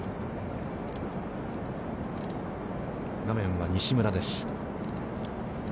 画面は西村です。